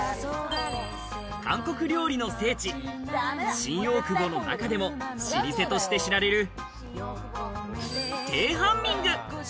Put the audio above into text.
韓国料理の聖地、新大久保の中でも、老舗として知られるテハンミング。